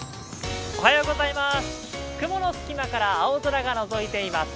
雲の隙間から青空がのぞいています。